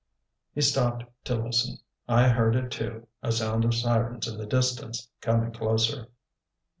He stopped to listen. I heard it too, a sound of sirens in the distance, coming closer.